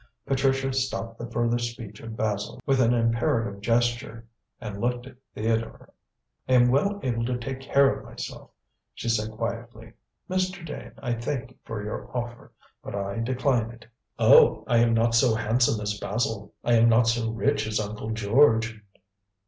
Patricia stopped the further speech of Basil with an imperative gesture and looked at Theodore. "I am well able to take care of myself," she said quietly. "Mr. Dane, I thank you for your offer, but I decline it." "Oh, I am not so handsome as Basil. I am not so rich as Uncle George!"